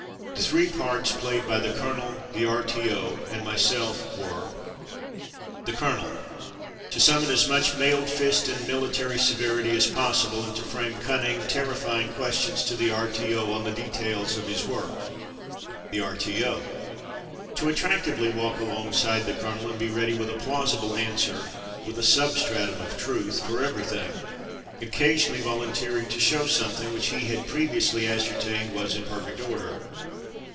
The three parts played by the colonel, the R.T.O., and myself were: The Colonel: To summon as much mailed fist and military severity as possible, and to 114 From Mud to Mufti frame cunning, terrifying questions to the R.T.O. on the details of his work. The R.T.O. : To attractively walk along side the colonel and be ready with a plausi ble answer — ^with a substratum of truth — for everything ; occasionally volunteering to show something which he had previously ascertained was in perfect order.